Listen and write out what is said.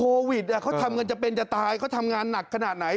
โควิดเขาทำกันจะเป็นจะตายเขาทำงานหนักขนาดไหน